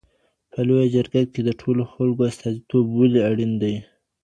په لویه جرګه کي د ټولو خلګو استازیتوب ولي اړین دی؟